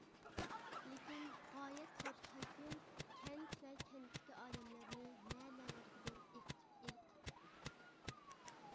لېكىن، غايەت زور كەلكۈن كەنت ۋە كەنتتىكى ئادەملەرنى نە - نەلەرگىدۇر ئېقىتىپ ئېلىپ كېتىپتۇ.